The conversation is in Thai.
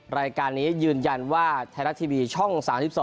รายการนี้ยืนยันว่าไทยรัฐทีวีช่อง๓๒